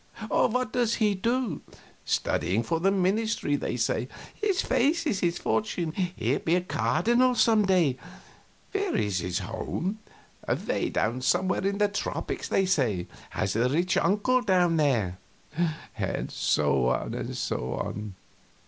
"What does he do?" "Studying for the ministry, they say." "His face is his fortune he'll be a cardinal some day." "Where is his home?" "Away down somewhere in the tropics, they say has a rich uncle down there." And so on.